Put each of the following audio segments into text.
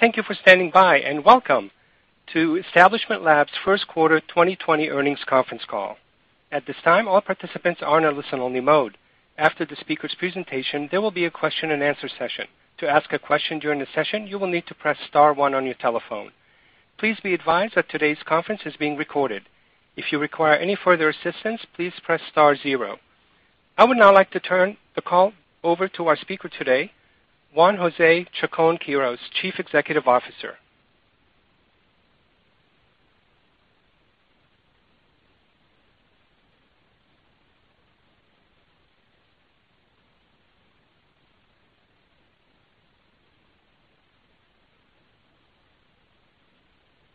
Thank you for standing by, and welcome to Establishment Labs' first quarter 2020 earnings conference call. At this time, all participants are in a listen-only mode. After the speakers' presentation, there will be a question-and-answer session. To ask a question during the session, you will need to press star one on your telephone. Please be advised that today's conference is being recorded. If you require any further assistance, please press star zero. I would now like to turn the call over to our speaker today, Juan José Chacón-Quirós, Chief Executive Officer.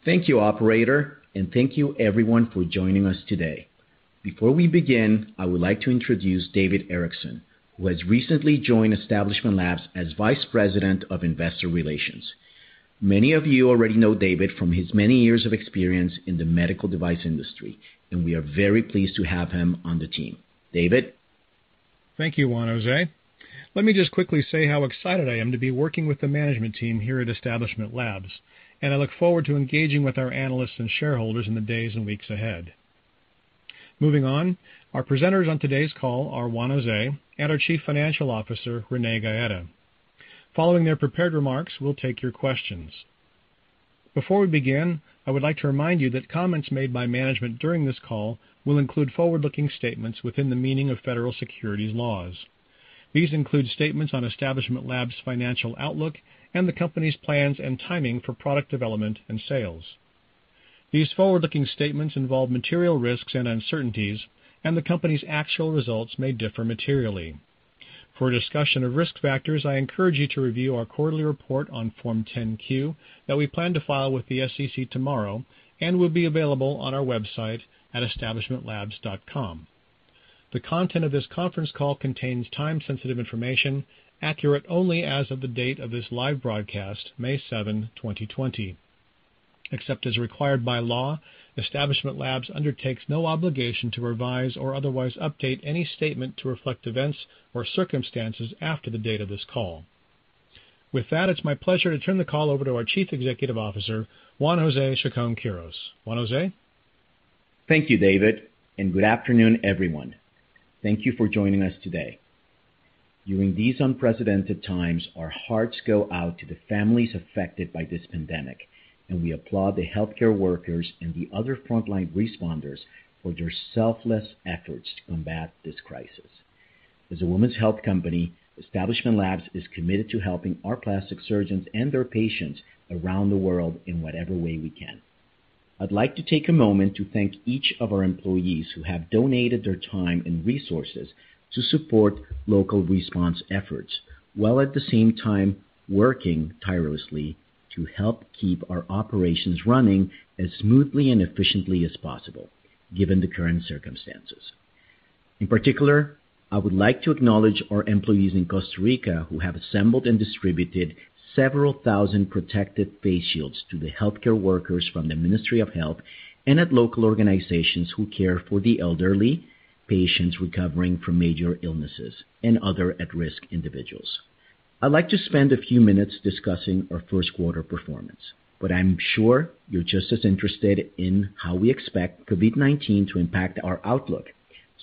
Thank you, operator, and thank you, everyone, for joining us today. Before we begin, I would like to introduce David Erickson, who has recently joined Establishment Labs as Vice President of Investor Relations. Many of you already know David from his many years of experience in the medical device industry, and we are very pleased to have him on the team. David? Thank you, Juan José. Let me just quickly say how excited I am to be working with the management team here at Establishment Labs, and I look forward to engaging with our analysts and shareholders in the days and weeks ahead. Moving on, our presenters on today's call are Juan José and our Chief Financial Officer, Renee Gaeta. Following their prepared remarks, we'll take your questions. Before we begin, I would like to remind you that comments made by management during this call will include forward-looking statements within the meaning of federal securities laws. These include statements on Establishment Labs' financial outlook and the company's plans and timing for product development and sales. These forward-looking statements involve material risks and uncertainties, and the company's actual results may differ materially. For a discussion of risk factors, I encourage you to review our quarterly report on Form 10-Q that we plan to file with the SEC tomorrow and will be available on our website at establishmentlabs.com. The content of this conference call contains time-sensitive information, accurate only as of the date of this live broadcast, May 7, 2020. Except as required by law, Establishment Labs undertakes no obligation to revise or otherwise update any statement to reflect events or circumstances after the date of this call. With that, it's my pleasure to turn the call over to our Chief Executive Officer, Juan José Chacón-Quirós. Juan José? Thank you, David. Good afternoon, everyone. Thank you for joining us today. During these unprecedented times, our hearts go out to the families affected by this pandemic. We applaud the healthcare workers and the other frontline responders for their selfless efforts to combat this crisis. As a women's health company, Establishment Labs is committed to helping our plastic surgeons and their patients around the world in whatever way we can. I'd like to take a moment to thank each of our employees who have donated their time and resources to support local response efforts, while at the same time working tirelessly to help keep our operations running as smoothly and efficiently as possible given the current circumstances. In particular, I would like to acknowledge our employees in Costa Rica who have assembled and distributed several thousand protective face shields to the healthcare workers from the Ministry of Health and at local organizations who care for the elderly, patients recovering from major illnesses, and other at-risk individuals. I'd like to spend a few minutes discussing our first quarter performance, but I'm sure you're just as interested in how we expect COVID-19 to impact our outlook.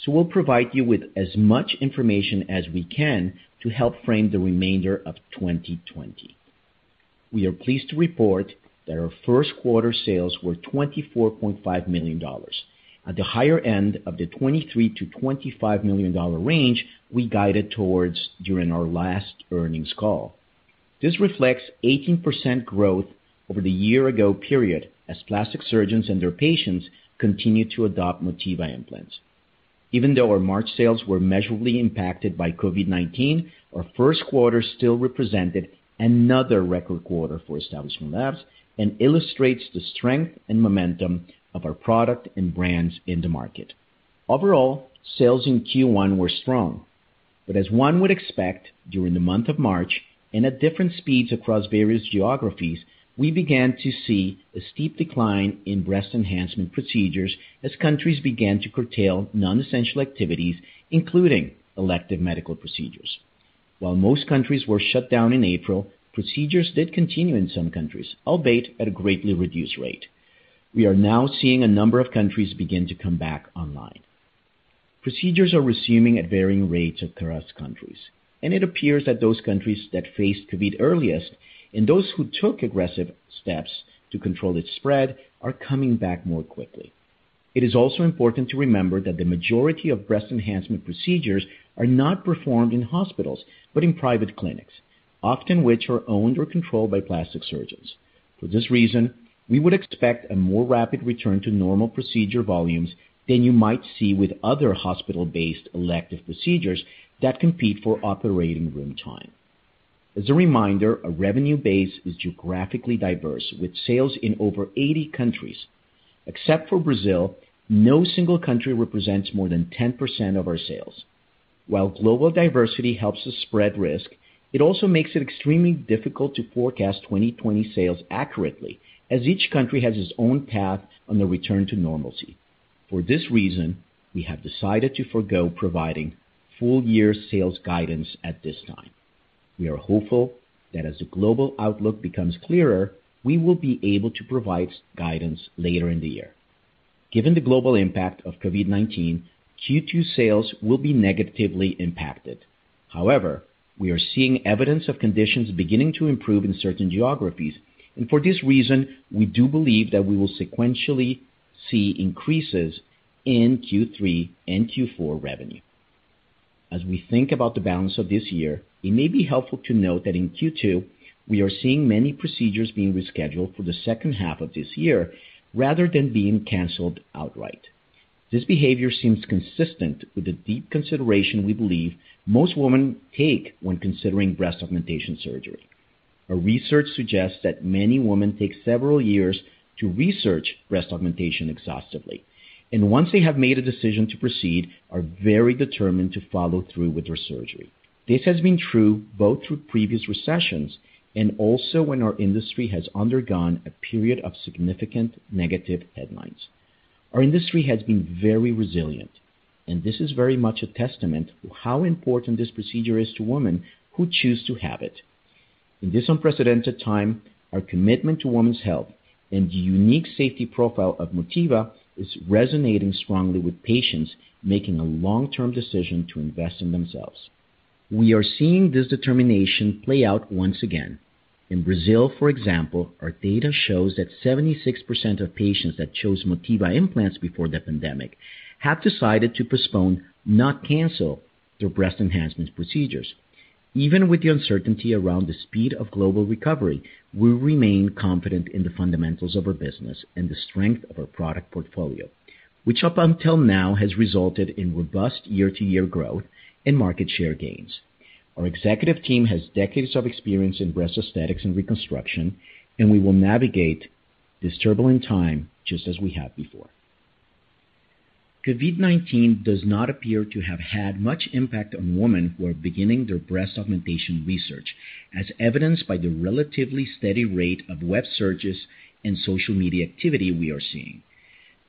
We'll provide you with as much information as we can to help frame the remainder of 2020. We are pleased to report that our first quarter sales were $24.5 million, at the higher end of the $23 million-$25 million range we guided towards during our last earnings call. This reflects 18% growth over the year-ago period as plastic surgeons and their patients continued to adopt Motiva implants. Even though our March sales were measurably impacted by COVID-19, our first quarter still represented another record quarter for Establishment Labs and illustrates the strength and momentum of our product and brands in the market. Overall, sales in Q1 were strong, but as one would expect during the month of March and at different speeds across various geographies, we began to see a steep decline in breast enhancement procedures as countries began to curtail non-essential activities, including elective medical procedures. While most countries were shut down in April, procedures did continue in some countries, albeit at a greatly reduced rate. We are now seeing a number of countries begin to come back online. Procedures are resuming at varying rates across countries, and it appears that those countries that faced COVID earliest and those who took aggressive steps to control its spread are coming back more quickly. It is also important to remember that the majority of breast enhancement procedures are not performed in hospitals but in private clinics, often which are owned or controlled by plastic surgeons. For this reason, we would expect a more rapid return to normal procedure volumes than you might see with other hospital-based elective procedures that compete for operating room time. As a reminder, our revenue base is geographically diverse, with sales in over 80 countries. Except for Brazil, no single country represents more than 10% of our sales. While global diversity helps us spread risk, it also makes it extremely difficult to forecast 2020 sales accurately as each country has its own path on the return to normalcy. For this reason, we have decided to forgo providing full-year sales guidance at this time. We are hopeful that as the global outlook becomes clearer, we will be able to provide guidance later in the year. Given the global impact of COVID-19, Q2 sales will be negatively impacted. However, we are seeing evidence of conditions beginning to improve in certain geographies, and for this reason, we do believe that we will sequentially see increases in Q3 and Q4 revenue. As we think about the balance of this year, it may be helpful to note that in Q2, we are seeing many procedures being rescheduled for the second half of this year rather than being canceled outright. This behavior seems consistent with the deep consideration we believe most women take when considering breast augmentation surgery. Our research suggests that many women take several years to research breast augmentation exhaustively, and once they have made a decision to proceed, are very determined to follow through with their surgery. This has been true both through previous recessions and also when our industry has undergone a period of significant negative headlines. Our industry has been very resilient, and this is very much a testament to how important this procedure is to women who choose to have it. In this unprecedented time, our commitment to women's health and the unique safety profile of Motiva is resonating strongly with patients making a long-term decision to invest in themselves. We are seeing this determination play out once again. In Brazil, for example, our data shows that 76% of patients that chose Motiva implants before the pandemic have decided to postpone, not cancel, their breast enhancement procedures. Even with the uncertainty around the speed of global recovery, we remain confident in the fundamentals of our business and the strength of our product portfolio, which up until now has resulted in robust year-to-year growth and market share gains. Our executive team has decades of experience in breast aesthetics and reconstruction, and we will navigate this turbulent time just as we have before. COVID-19 does not appear to have had much impact on women who are beginning their breast augmentation research, as evidenced by the relatively steady rate of web searches and social media activity we are seeing.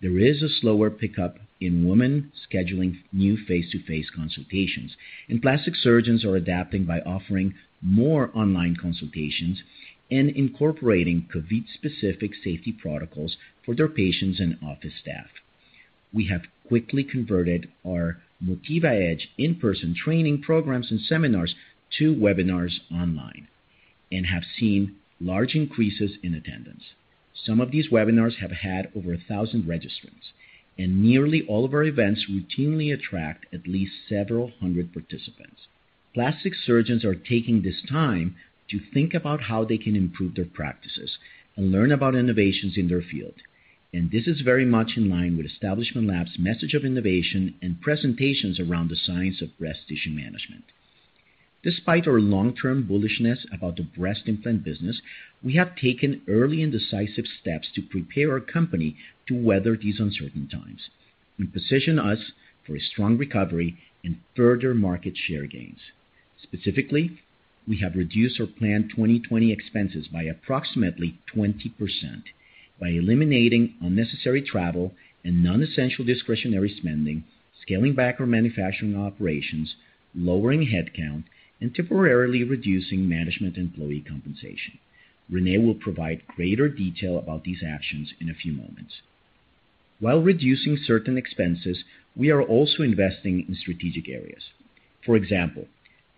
There is a slower pickup in women scheduling new face-to-face consultations, and plastic surgeons are adapting by offering more online consultations and incorporating COVID-specific safety protocols for their patients and office staff. We have quickly converted our MotivaEDGE in-person training programs and seminars to webinars online and have seen large increases in attendance. Some of these webinars have had over 1,000 registrants, and nearly all of our events routinely attract at least several hundred participants. Plastic surgeons are taking this time to think about how they can improve their practices and learn about innovations in their field, and this is very much in line with Establishment Labs' message of innovation and presentations around the science of breast tissue management. Despite our long-term bullishness about the breast implant business, we have taken early and decisive steps to prepare our company to weather these uncertain times and position us for a strong recovery and further market share gains. Specifically, we have reduced our planned 2020 expenses by approximately 20% by eliminating unnecessary travel and non-essential discretionary spending, scaling back our manufacturing operations, lowering headcount, and temporarily reducing management employee compensation. Renee will provide greater detail about these actions in a few moments. While reducing certain expenses, we are also investing in strategic areas. For example,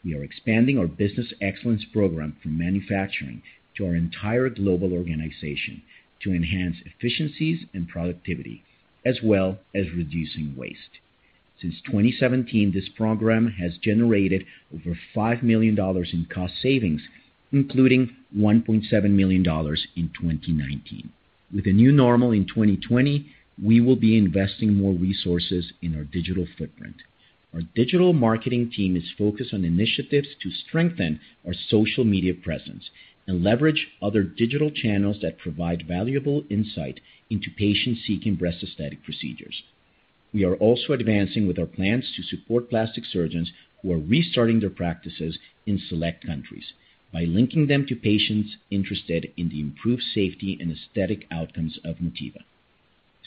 we are expanding our business excellence program from manufacturing to our entire global organization to enhance efficiencies and productivity, as well as reducing waste. Since 2017, this program has generated over $5 million in cost savings, including $1.7 million in 2019. With a new normal in 2020, we will be investing more resources in our digital footprint. Our digital marketing team is focused on initiatives to strengthen our social media presence and leverage other digital channels that provide valuable insight into patients seeking breast aesthetic procedures. We are also advancing with our plans to support plastic surgeons who are restarting their practices in select countries by linking them to patients interested in the improved safety and aesthetic outcomes of Motiva.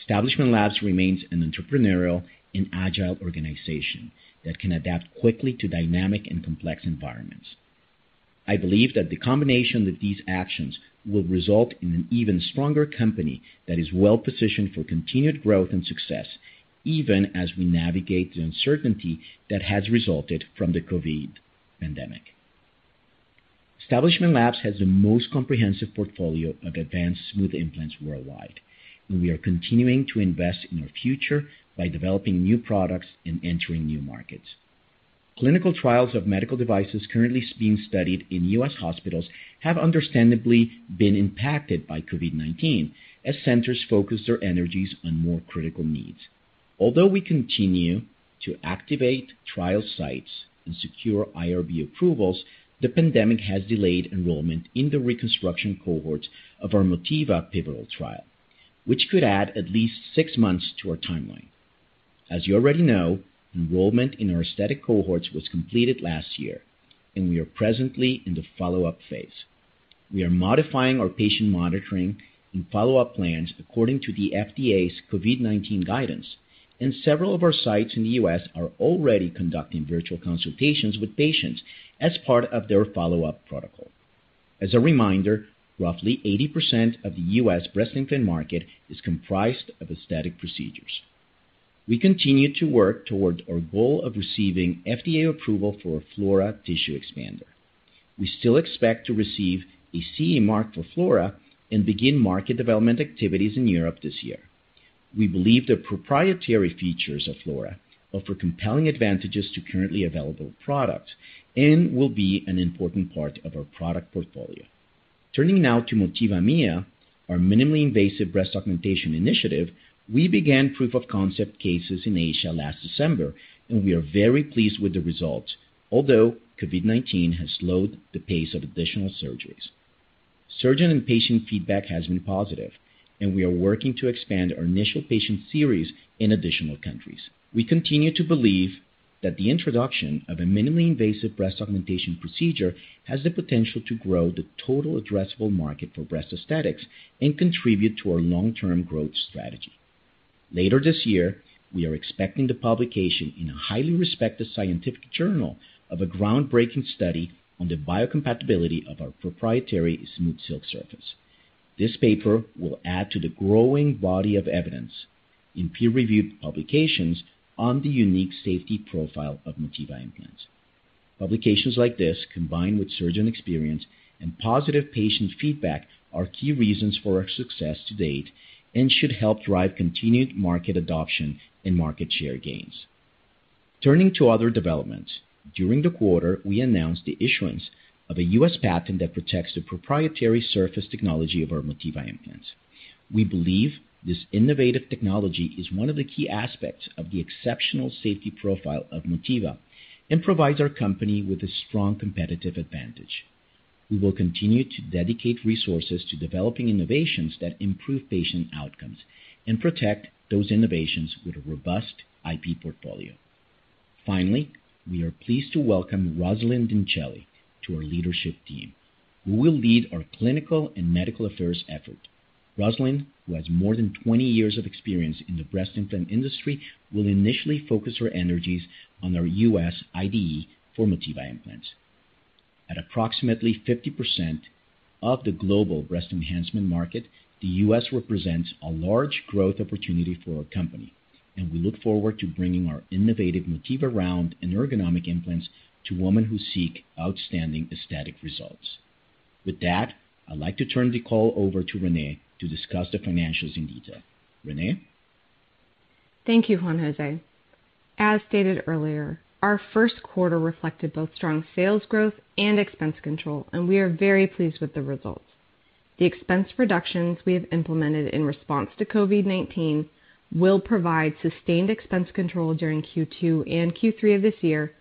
Establishment Labs remains an entrepreneurial and agile organization that can adapt quickly to dynamic and complex environments. I believe that the combination of these actions will result in an even stronger company that is well-positioned for continued growth and success, even as we navigate the uncertainty that has resulted from the COVID pandemic. Establishment Labs has the most comprehensive portfolio of advanced smooth implants worldwide, and we are continuing to invest in our future by developing new products and entering new markets. Clinical trials of medical devices currently being studied in U.S. hospitals have understandably been impacted by COVID-19 as centers focus their energies on more critical needs. Although we continue to activate trial sites and secure IRB approvals, the pandemic has delayed enrollment in the reconstruction cohorts of our Motiva pivotal trial, which could add at least six months to our timeline. You already know, enrollment in our aesthetic cohorts was completed last year, and we are presently in the follow-up phase. We are modifying our patient monitoring and follow-up plans according to the FDA's COVID-19 guidance, and several of our sites in the U.S. are already conducting virtual consultations with patients as part of their follow-up protocol. A reminder, roughly 80% of the U.S. breast implant market is comprised of aesthetic procedures. We continue to work towards our goal of receiving FDA approval for Flora tissue expander. We still expect to receive a CE mark for Flora and begin market development activities in Europe this year. We believe the proprietary features of Flora offer compelling advantages to currently available products and will be an important part of our product portfolio. Turning now to Mia Femtech, our minimally invasive breast augmentation initiative, we began proof of concept cases in Asia last December, we are very pleased with the results, although COVID-19 has slowed the pace of additional surgeries. Surgeon and patient feedback has been positive, we are working to expand our initial patient series in additional countries. We continue to believe that the introduction of a minimally invasive breast augmentation procedure has the potential to grow the total addressable market for breast aesthetics and contribute to our long-term growth strategy. Later this year, we are expecting the publication in a highly respected scientific journal of a groundbreaking study on the biocompatibility of our proprietary SmoothSilk surface. This paper will add to the growing body of evidence in peer-reviewed publications on the unique safety profile of Motiva implants. Publications like this, combined with surgeon experience and positive patient feedback, are key reasons for our success to date and should help drive continued market adoption and market share gains. Turning to other developments, during the quarter, we announced the issuance of a U.S. patent that protects the proprietary surface technology of our Motiva implants. We believe this innovative technology is one of the key aspects of the exceptional safety profile of Motiva and provides our company with a strong competitive advantage. We will continue to dedicate resources to developing innovations that improve patient outcomes and protect those innovations with a robust IP portfolio. Finally, we are pleased to welcome Rosalyn Vincelli to our leadership team, who will lead our clinical and medical affairs effort. Rosalyn, who has more than 20 years of experience in the breast implant industry, will initially focus her energies on our U.S. IDE for Motiva implants. At approximately 50% of the global breast enhancement market, the U.S. represents a large growth opportunity for our company, and we look forward to bringing our innovative Motiva round and Ergonomix implants to women who seek outstanding aesthetic results. With that, I'd like to turn the call over to Renee to discuss the financials in detail. Renee? Thank you, Juan José. As stated earlier, our first quarter reflected both strong sales growth and expense control, and we are very pleased with the results. The expense reductions we have implemented in response to COVID-19 will provide sustained expense control during Q2 and Q3 of this year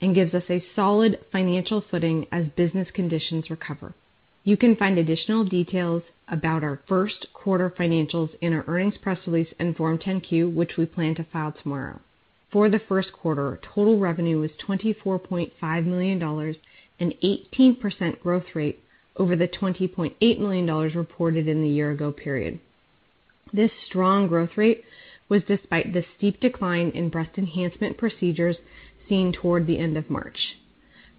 and gives us a solid financial footing as business conditions recover. You can find additional details about our first quarter financials in our earnings press release and Form 10-Q, which we plan to file tomorrow. For the first quarter, total revenue was $24.5 million, an 18% growth rate over the $20.8 million reported in the year ago period. This strong growth rate was despite the steep decline in breast enhancement procedures seen toward the end of March.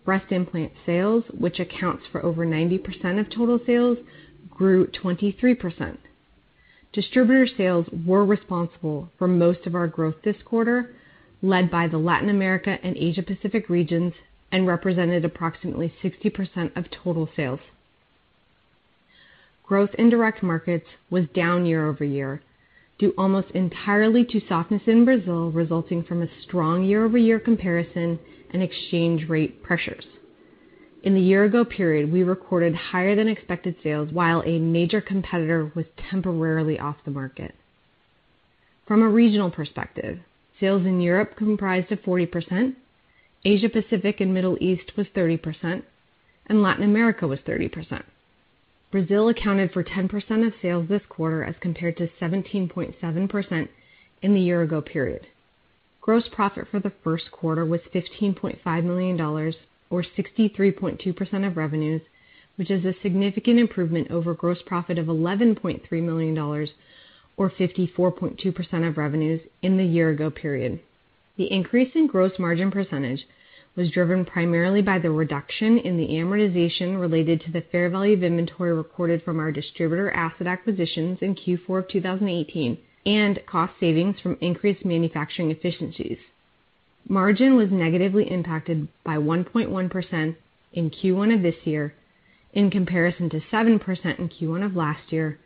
Breast implant sales, which accounts for over 90% of total sales, grew 23%. Distributor sales were responsible for most of our growth this quarter, led by the Latin America and Asia-Pacific regions, and represented approximately 60% of total sales. Growth in direct markets was down year-over-year due almost entirely to softness in Brazil, resulting from a strong year-over-year comparison and exchange rate pressures. In the year ago period, we recorded higher than expected sales while a major competitor was temporarily off the market. From a regional perspective, sales in Europe comprised of 40%, Asia-Pacific and Middle East was 30%, and Latin America was 30%. Brazil accounted for 10% of sales this quarter as compared to 17.7% in the year ago period. Gross profit for the first quarter was $15.5 million, or 63.2% of revenues, which is a significant improvement over gross profit of $11.3 million, or 54.2% of revenues in the year ago period. The increase in gross margin percentage was driven primarily by the reduction in the amortization related to the fair value of inventory recorded from our distributor asset acquisitions in Q4 of 2018 and cost savings from increased manufacturing efficiencies. Margin was negatively impacted by 1.1% in Q1 of this year in comparison to 7% in Q1 of last year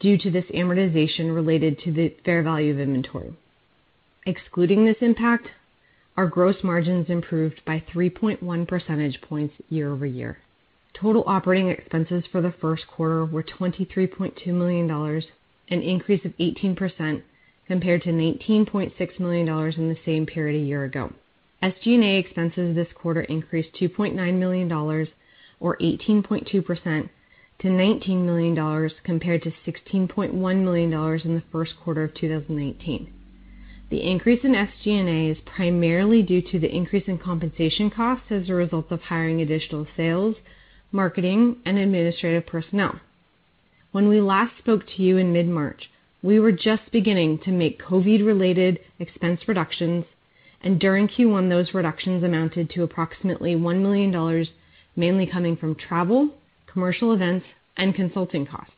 due to this amortization related to the fair value of inventory. Excluding this impact, our gross margins improved by 3.1 percentage points year-over-year. Total operating expenses for the first quarter were $23.2 million, an increase of 18% compared to $19.6 million in the same period a year ago. SG&A expenses this quarter increased $2.9 million, or 18.2%, to $19 million compared to $16.1 million in the first quarter of 2019. The increase in SG&A is primarily due to the increase in compensation costs as a result of hiring additional sales, marketing, and administrative personnel. During Q1, those reductions amounted to approximately $1 million, mainly coming from travel, commercial events, and consulting costs.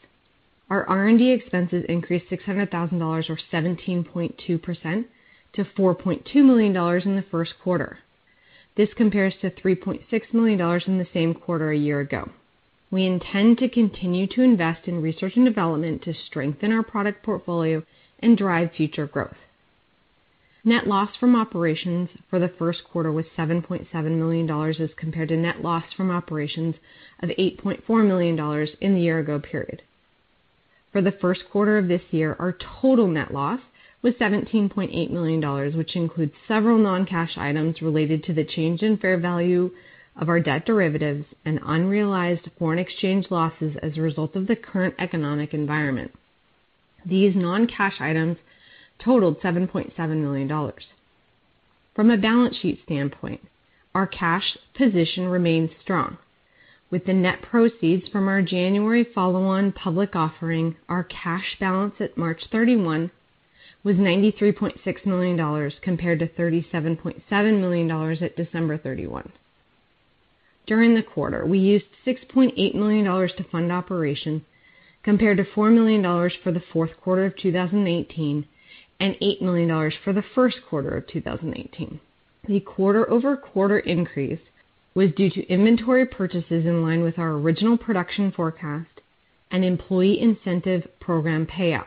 Our R&D expenses increased $600,000, or 17.2%, to $4.2 million in the first quarter. This compares to $3.6 million in the same quarter a year ago. We intend to continue to invest in research and development to strengthen our product portfolio and drive future growth. Net loss from operations for the first quarter was $7.7 million as compared to net loss from operations of $8.4 million in the year ago period. For the first quarter of this year, our total net loss was $17.8 million, which includes several non-cash items related to the change in fair value of our debt derivatives and unrealized foreign exchange losses as a result of the current economic environment. These non-cash items totaled $7.7 million. From a balance sheet standpoint, our cash position remains strong. With the net proceeds from our January follow-on public offering, our cash balance at March 31 was $93.6 million, compared to $37.7 million at December 31. During the quarter, we used $6.8 million to fund operations, compared to $4 million for the fourth quarter of 2018 and $8 million for the first quarter of 2018. The quarter-over-quarter increase was due to inventory purchases in line with our original production forecast and employee incentive program payouts.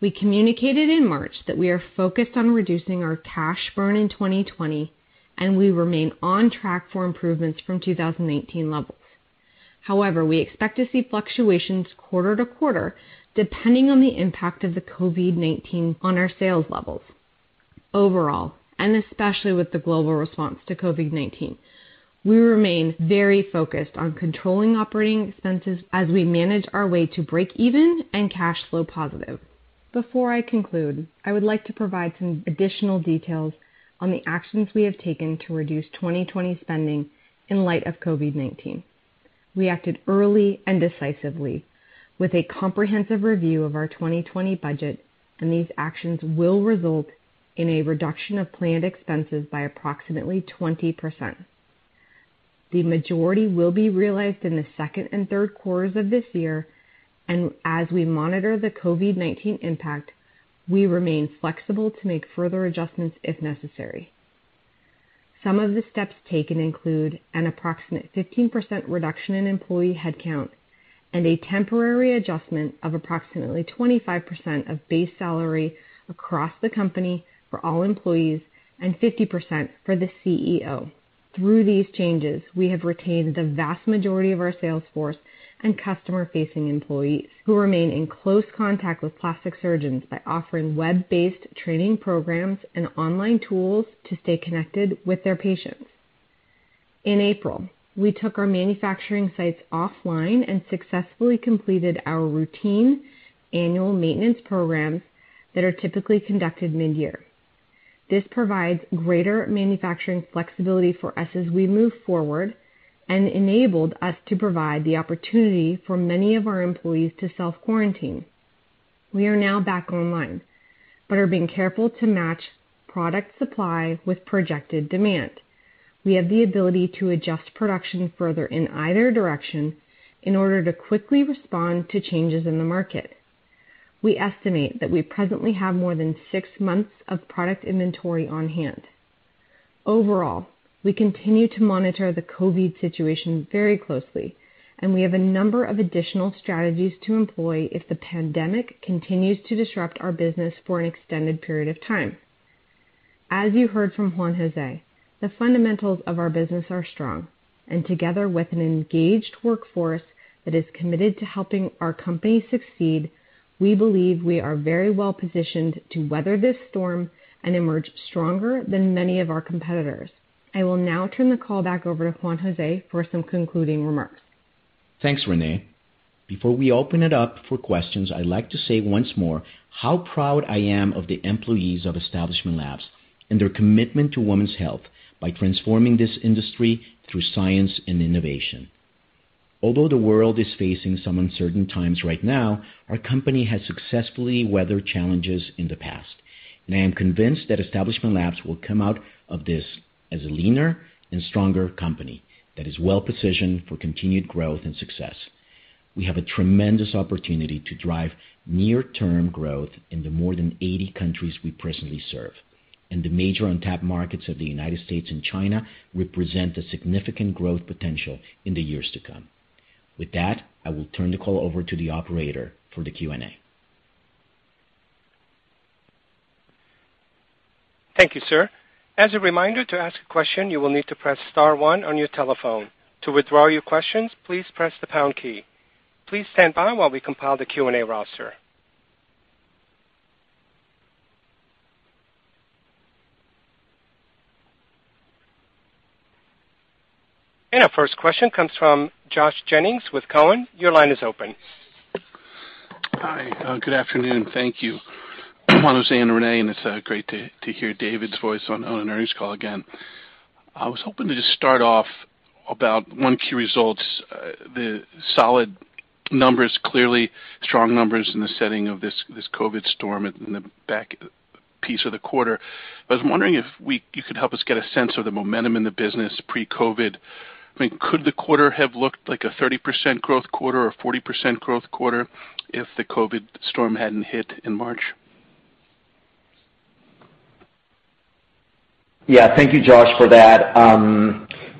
We communicated in March that we are focused on reducing our cash burn in 2020, and we remain on track for improvements from 2019 levels. However, we expect to see fluctuations quarter to quarter, depending on the impact of the COVID-19 on our sales levels. Overall, and especially with the global response to COVID-19, we remain very focused on controlling operating expenses as we manage our way to break even and cash flow positive. Before I conclude, I would like to provide some additional details on the actions we have taken to reduce 2020 spending in light of COVID-19. We acted early and decisively with a comprehensive review of our 2020 budget, and these actions will result in a reduction of planned expenses by approximately 20%. The majority will be realized in the second and third quarters of this year. As we monitor the COVID-19 impact, we remain flexible to make further adjustments if necessary. Some of the steps taken include an approximate 15% reduction in employee headcount and a temporary adjustment of approximately 25% of base salary across the company for all employees and 50% for the CEO. Through these changes, we have retained the vast majority of our sales force and customer-facing employees who remain in close contact with plastic surgeons by offering web-based training programs and online tools to stay connected with their patients. In April, we took our manufacturing sites offline and successfully completed our routine annual maintenance programs that are typically conducted mid-year. This provides greater manufacturing flexibility for us as we move forward and enabled us to provide the opportunity for many of our employees to self-quarantine. We are now back online, but are being careful to match product supply with projected demand. We have the ability to adjust production further in either direction in order to quickly respond to changes in the market. We estimate that we presently have more than six months of product inventory on hand. Overall, we continue to monitor the COVID-19 situation very closely, and we have a number of additional strategies to employ if the pandemic continues to disrupt our business for an extended period of time. As you heard from Juan José, the fundamentals of our business are strong, and together with an engaged workforce that is committed to helping our company succeed, we believe we are very well positioned to weather this storm and emerge stronger than many of our competitors. I will now turn the call back over to Juan José for some concluding remarks. Thanks, Renee. Before we open it up for questions, I'd like to say once more how proud I am of the employees of Establishment Labs and their commitment to women's health by transforming this industry through science and innovation. Although the world is facing some uncertain times right now, our company has successfully weathered challenges in the past. I am convinced that Establishment Labs will come out of this as a leaner and stronger company that is well positioned for continued growth and success. We have a tremendous opportunity to drive near-term growth in the more than 80 countries we presently serve. The major untapped markets of the United States and China represent a significant growth potential in the years to come. With that, I will turn the call over to the operator for the Q&A. Thank you, sir. As a reminder, to ask a question, you will need to press star one on your telephone. To withdraw your questions, please press the pound key. Please stand by while we compile the Q&A roster. Our first question comes from Josh Jennings with Cowen. Your line is open. Hi. Good afternoon. Thank you. Juan José and Renee, and it's great to hear David's voice on an earnings call again. I was hoping to just start off about 1Q results, the solid numbers, clearly strong numbers in the setting of this COVID storm in the back piece of the quarter. I was wondering if you could help us get a sense of the momentum in the business pre-COVID. Could the quarter have looked like a 30% growth quarter or a 40% growth quarter if the COVID storm hadn't hit in March? Yeah. Thank you, Josh, for that.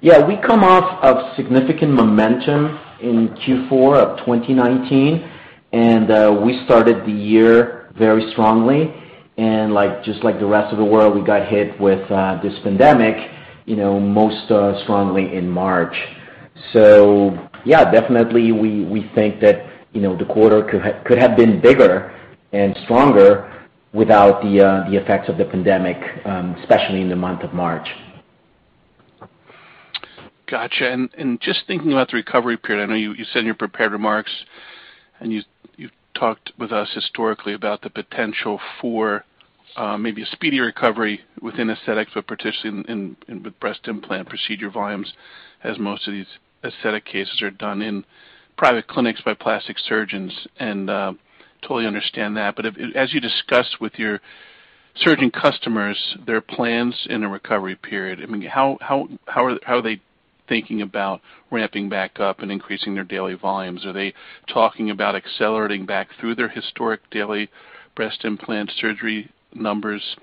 Yeah, we come off of significant momentum in Q4 of 2019. We started the year very strongly. Just like the rest of the world, we got hit with this pandemic most strongly in March. Yeah, definitely, we think that the quarter could have been bigger and stronger without the effects of the pandemic, especially in the month of March. Got you. Just thinking about the recovery period, I know you said in your prepared remarks, and you talked with us historically about the potential for maybe a speedier recovery within aesthetics, but particularly with breast implant procedure volumes, as most of these aesthetic cases are done in private clinics by plastic surgeons, and totally understand that. As you discuss with your surgeon customers their plans in a recovery period, how are they thinking about ramping back up and increasing their daily volumes? Are they talking about accelerating back through their historic daily breast implant surgery numbers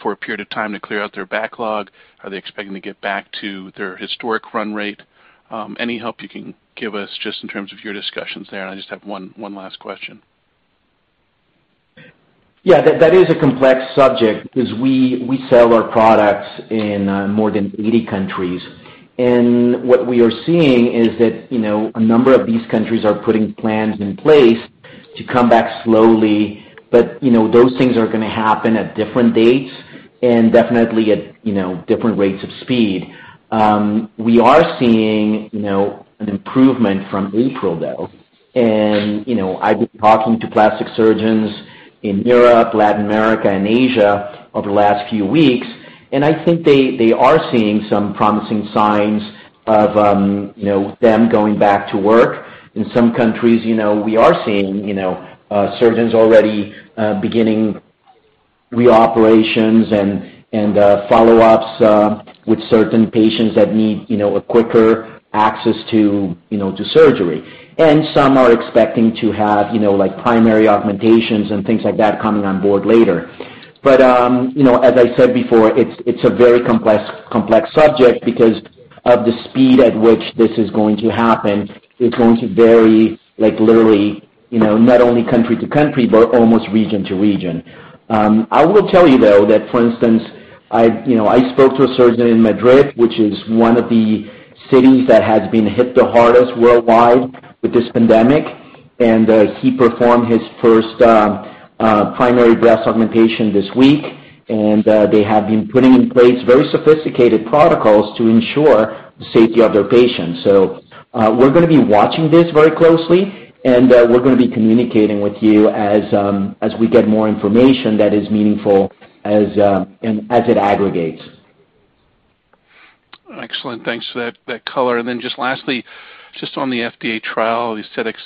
for a period of time to clear out their backlog? Are they expecting to get back to their historic run rate? Any help you can give us just in terms of your discussions there? I just have one last question. Yeah, that is a complex subject because we sell our products in more than 80 countries. What we are seeing is that a number of these countries are putting plans in place to come back slowly, but those things are going to happen at different dates and definitely at different rates of speed. We are seeing an improvement from April, though. I've been talking to plastic surgeons in Europe, Latin America, and Asia over the last few weeks, and I think they are seeing some promising signs of them going back to work. In some countries, we are seeing surgeons already beginning reoperations and follow-ups with certain patients that need a quicker access to surgery. Some are expecting to have primary augmentations and things like that coming on board later. As I said before, it's a very complex subject because of the speed at which this is going to happen. It's going to vary literally not only country to country, but almost region to region. I will tell you, though, that, for instance, I spoke to a surgeon in Madrid, which is one of the cities that has been hit the hardest worldwide with this pandemic, and he performed his first primary breast augmentation this week, and they have been putting in place very sophisticated protocols to ensure the safety of their patients. We're going to be watching this very closely, and we're going to be communicating with you as we get more information that is meaningful as it aggregates. Excellent. Thanks for that color. Just lastly, just on the FDA trial, the aesthetics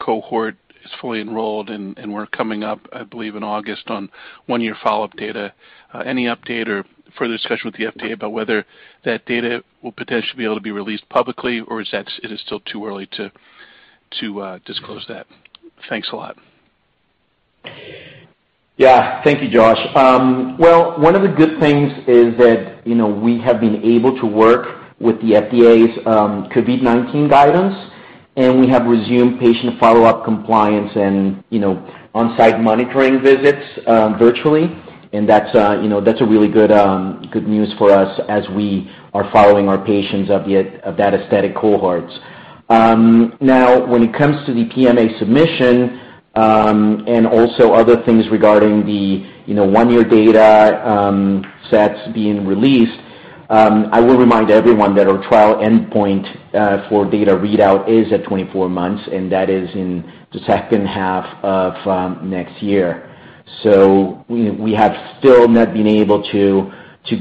cohort is fully enrolled and we're coming up, I believe, in August on one-year follow-up data. Any update or further discussion with the FDA about whether that data will potentially be able to be released publicly, or it is still too early to disclose that? Thanks a lot. Thank you, Josh. Well, one of the good things is that we have been able to work with the FDA's COVID-19 guidance, we have resumed patient follow-up compliance and on-site monitoring visits virtually. That's really good news for us as we are following our patients of that aesthetic cohort. Now, when it comes to the PMA submission, and also other things regarding the one-year data sets being released, I will remind everyone that our trial endpoint for data readout is at 24 months, and that is in the second half of next year. We have still not been able to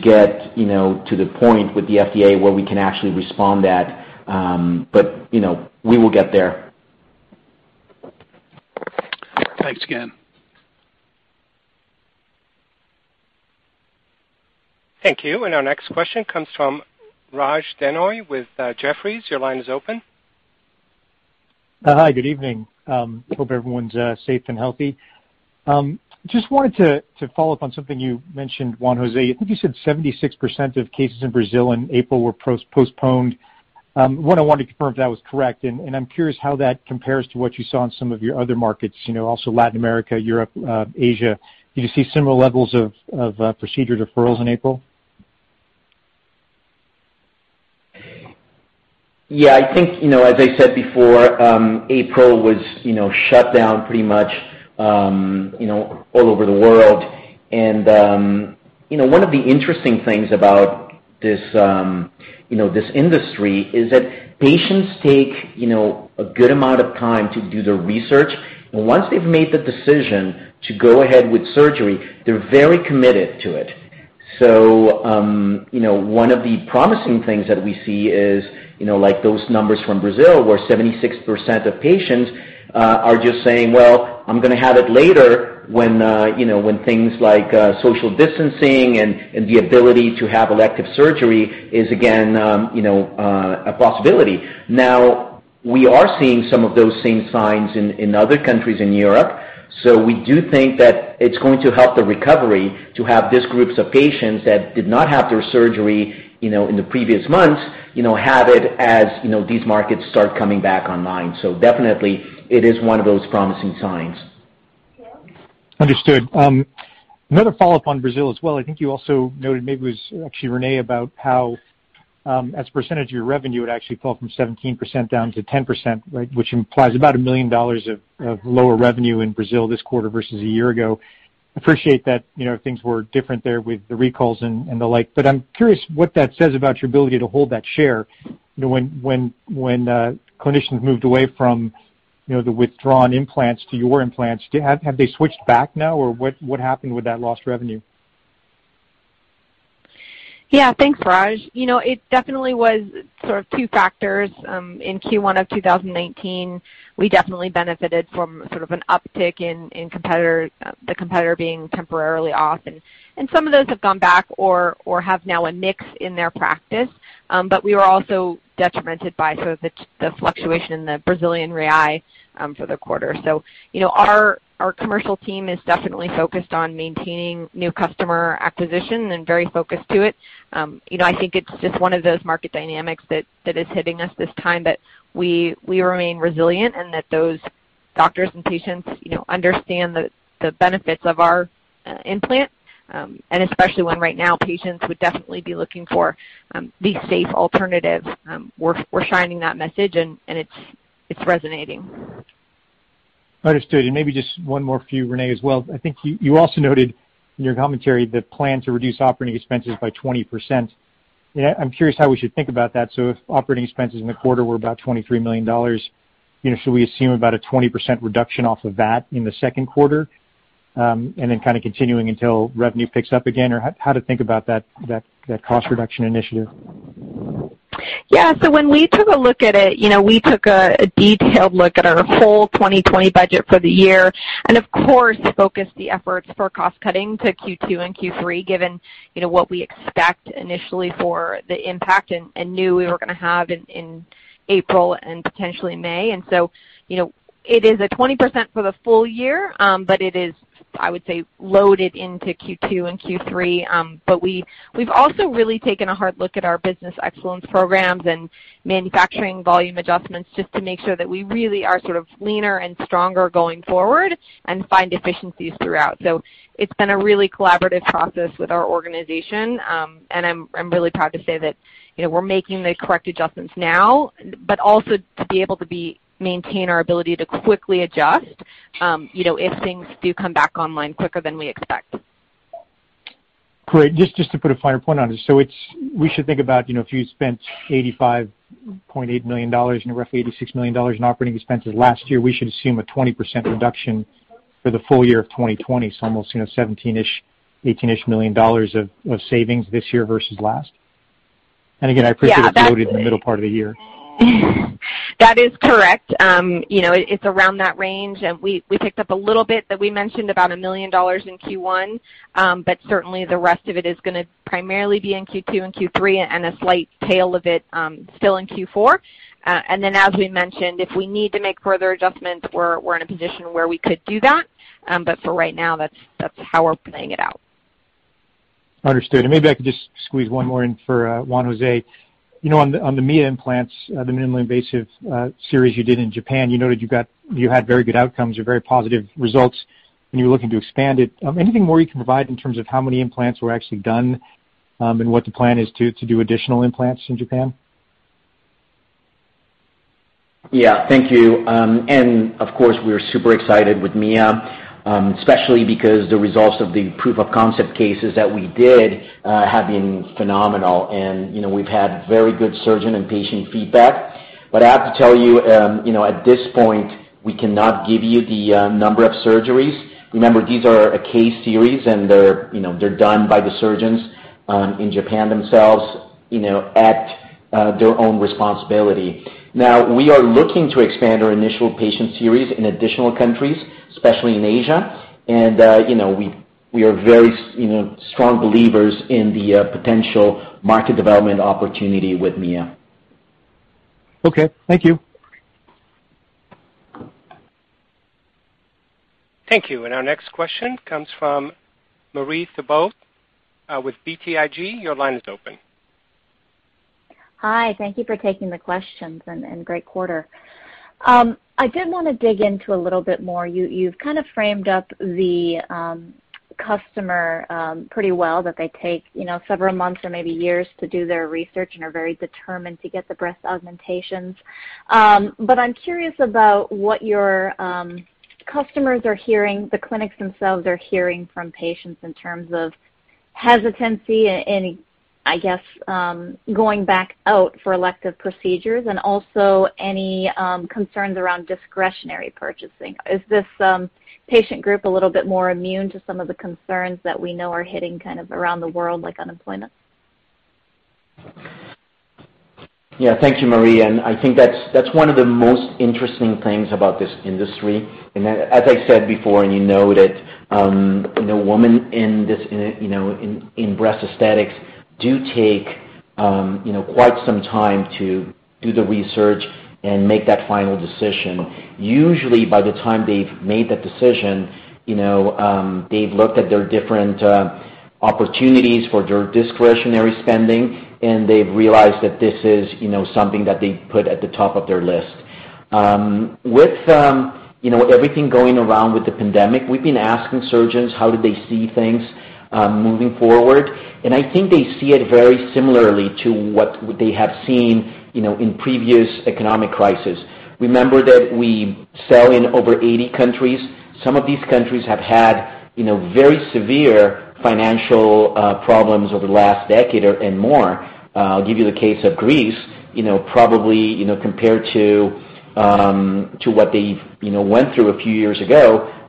get to the point with the FDA where we can actually respond that. We will get there. Thanks again. Thank you. Our next question comes from Raj Denhoy with Jefferies. Your line is open. Hi, good evening. Hope everyone's safe and healthy. Just wanted to follow up on something you mentioned, Juan José. I think you said 76% of cases in Brazil in April were postponed. One, I wanted to confirm if that was correct, and I'm curious how that compares to what you saw in some of your other markets, also Latin America, Europe, Asia. Did you see similar levels of procedure deferrals in April? Yeah, I think, as I said before, April was shut down pretty much all over the world. One of the interesting things about this industry is that patients take a good amount of time to do their research. Once they've made the decision to go ahead with surgery, they're very committed to it. One of the promising things that we see is, like those numbers from Brazil where 76% of patients are just saying, "Well, I'm going to have it later when things like social distancing and the ability to have elective surgery is again a possibility." Now, we are seeing some of those same signs in other countries in Europe. We do think that it's going to help the recovery to have these groups of patients that did not have their surgery in the previous months, have it as these markets start coming back online. Definitely, it is one of those promising signs. Understood. Another follow-up on Brazil as well. I think you also noted, maybe it was actually Renee, about how as a percentage of your revenue, it actually fell from 17% down to 10%, right? Which implies about $1 million of lower revenue in Brazil this quarter versus a year ago. Appreciate that things were different there with the recalls and the like. I'm curious what that says about your ability to hold that share when clinicians moved away from the withdrawn implants to your implants. Have they switched back now? What happened with that lost revenue? Yeah, thanks, Raj. It definitely was sort of two factors. In Q1 2019, we definitely benefited from sort of an uptick in the competitor being temporarily off, and some of those have gone back or have now a mix in their practice. We were also detrimented by sort of the fluctuation in the Brazilian real for the quarter. Our commercial team is definitely focused on maintaining new customer acquisition and very focused to it. I think it's just one of those market dynamics that is hitting us this time, but we remain resilient and that those doctors and patients understand the benefits of our implant. Especially when right now patients would definitely be looking for the safe alternatives. We're shining that message, and it's resonating. Understood. Maybe just one more for you, Renee, as well. I think you also noted in your commentary the plan to reduce operating expenses by 20%. I'm curious how we should think about that. If operating expenses in the quarter were about $23 million, should we assume about a 20% reduction off of that in the second quarter? Then kind of continuing until revenue picks up again, or how to think about that cost reduction initiative? Yeah. When we took a look at it, we took a detailed look at our whole 2020 budget for the year, and of course, focused the efforts for cost cutting to Q2 and Q3, given what we expect initially for the impact and knew we were going to have in April and potentially May. It is a 20% for the full year, but it is, I would say, loaded into Q2 and Q3. We've also really taken a hard look at our business excellence programs and manufacturing volume adjustments just to make sure that we really are sort of leaner and stronger going forward and find efficiencies throughout. It's been a really collaborative process with our organization, and I'm really proud to say that we're making the correct adjustments now, but also to be able to maintain our ability to quickly adjust if things do come back online quicker than we expect. Great. Just to put a finer point on it. We should think about if you spent $85.8 million and roughly $86 million in operating expenses last year, we should assume a 20% reduction for the full year of 2020. Almost $17-ish, $18-ish million of savings this year versus last? Yeah. it's loaded in the middle part of the year. That is correct. It's around that range, and we picked up a little bit that we mentioned about $1 million in Q1. Certainly, the rest of it is going to primarily be in Q2 and Q3 and a slight tail of it still in Q4. As we mentioned, if we need to make further adjustments, we're in a position where we could do that. For right now, that's how we're playing it out. Understood. Maybe I could just squeeze one more in for Juan José. On the Mia implants, the minimally invasive series you did in Japan, you noted you had very good outcomes or very positive results, and you were looking to expand it. Anything more you can provide in terms of how many implants were actually done, and what the plan is to do additional implants in Japan? Yeah, thank you. Of course, we are super excited with Mia, especially because the results of the proof of concept cases that we did have been phenomenal. We've had very good surgeon and patient feedback. I have to tell you, at this point, we cannot give you the number of surgeries. Remember, these are a case series, and they're done by the surgeons in Japan themselves at their own responsibility. Now, we are looking to expand our initial patient series in additional countries, especially in Asia. We are very strong believers in the potential market development opportunity with Mia. Okay, thank you. Thank you. Our next question comes from Marie Thibault with BTIG. Your line is open. Hi. Thank you for taking the questions and great quarter. I did want to dig into a little bit more. You've kind of framed up the customer pretty well, that they take several months or maybe years to do their research and are very determined to get the breast augmentations. I'm curious about what your customers are hearing, the clinics themselves are hearing from patients in terms of hesitancy and, I guess, going back out for elective procedures and also any concerns around discretionary purchasing. Is this patient group a little bit more immune to some of the concerns that we know are hitting kind of around the world, like unemployment? Yeah. Thank you, Marie, I think that's one of the most interesting things about this industry. As I said before, you know that women in breast aesthetics do take quite some time to do the research and make that final decision. Usually, by the time they've made that decision, they've looked at their different opportunities for their discretionary spending, and they've realized that this is something that they put at the top of their list. With everything going around with the pandemic, we've been asking surgeons how do they see things moving forward, I think they see it very similarly to what they have seen in previous economic crisis. Remember that we sell in over 80 countries. Some of these countries have had very severe financial problems over the last decade and more. I'll give you the case of Greece. Probably, compared to what they've went through a few years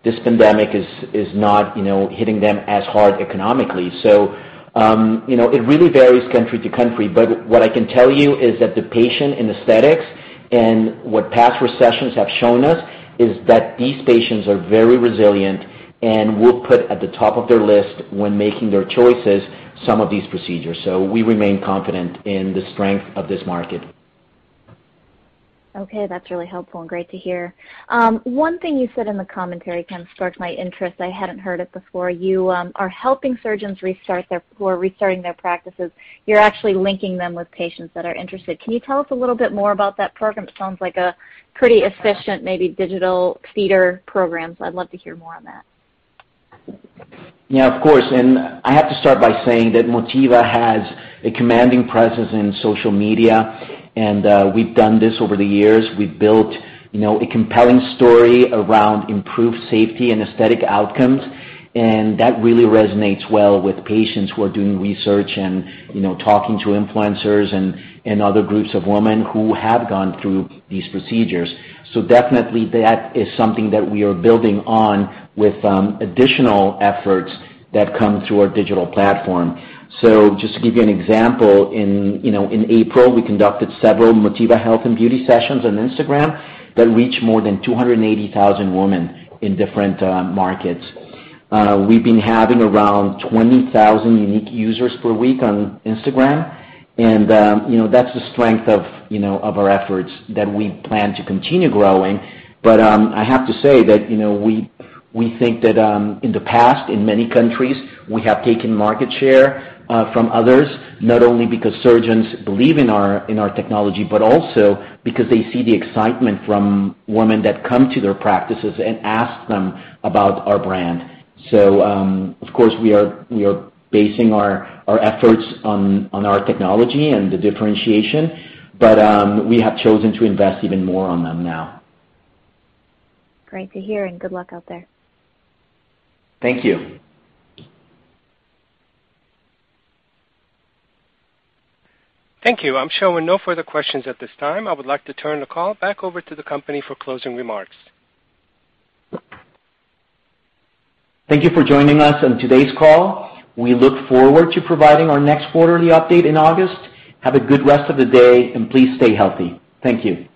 ago, this pandemic is not hitting them as hard economically. It really varies country to country. What I can tell you is that the patient in aesthetics and what past recessions have shown us is that these patients are very resilient and will put at the top of their list when making their choices some of these procedures. We remain confident in the strength of this market. That's really helpful and great to hear. One thing you said in the commentary kind of struck my interest. I hadn't heard it before. You are helping surgeons who are restarting their practices. You're actually linking them with patients that are interested. Can you tell us a little bit more about that program? It sounds like a pretty efficient, maybe digital feeder program, so I'd love to hear more on that. Yeah, of course. I have to start by saying that Motiva has a commanding presence in social media, and we've done this over the years. We've built a compelling story around improved safety and aesthetic outcomes, and that really resonates well with patients who are doing research and talking to influencers and other groups of women who have gone through these procedures. Definitely that is something that we are building on with additional efforts that come through our digital platform. Just to give you an example, in April we conducted several Motiva health and beauty sessions on Instagram that reached more than 280,000 women in different markets. We've been having around 20,000 unique users per week on Instagram, and that's the strength of our efforts that we plan to continue growing. I have to say that we think that in the past, in many countries, we have taken market share from others, not only because surgeons believe in our technology, but also because they see the excitement from women that come to their practices and ask them about our brand. Of course, we are basing our efforts on our technology and the differentiation, but we have chosen to invest even more on them now. Great to hear, and good luck out there. Thank you. Thank you. I am showing no further questions at this time. I would like to turn the call back over to the company for closing remarks. Thank you for joining us on today's call. We look forward to providing our next quarterly update in August. Have a good rest of the day. Please stay healthy. Thank you.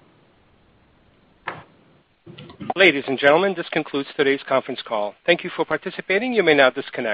Ladies and gentlemen, this concludes today's conference call. Thank you for participating. You may now disconnect.